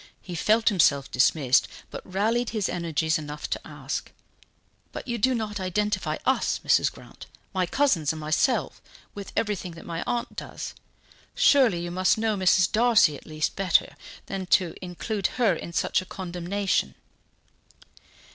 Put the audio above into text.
He felt himself dismissed, but rallied his energies enough to ask: "But you do not identify us, Mrs. Grant, my cousins and myself, with everything that my aunt does? Surely you must know Mrs. Darcy, at least, better than to include her in such a condemnation?"